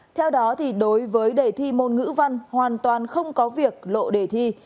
theo đó đối với đề thi môn ngữ văn hoàn toàn không có việc lộ đề thi